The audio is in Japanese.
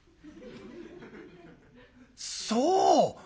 「そう！